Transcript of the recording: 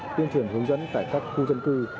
tuyên truyền hướng dẫn tại các khu dân cư